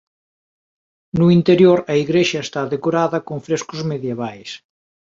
No interior a igrexa está decorada con frescos medievais.